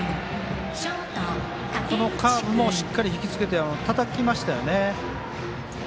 このカーブもしっかり引きつけてたたきましたよね。